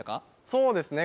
そうですね